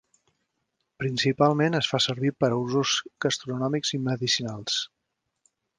Principalment es fa servir per a usos gastronòmics i medicinals.